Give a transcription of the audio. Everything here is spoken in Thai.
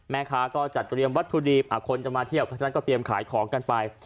แม่ค้าก็จัดเตรียมวัตถุดิบคนจะมาเที่ยวเพราะฉะนั้นก็เตรียมขายของกันไป